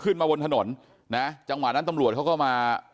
ขึ้นมาบนถนนนะจังหวะนั้นตำรวจเขาก็มา